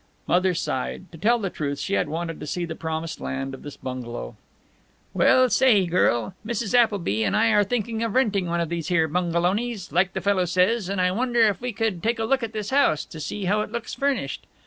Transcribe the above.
Mother sighed. To tell the truth, she had wanted to see the promised land of this bungalow. "Well, say, girl, Mrs. Appleby and I are thinking of renting one of these here bungalonies, like the fellow says, and I wonder if we could take a look at this house, to see how it looks furnished?"